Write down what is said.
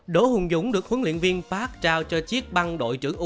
đỗ hùng dũng được huấn luyện viên park trao cho chiếc băng đội trưởng u hai mươi ba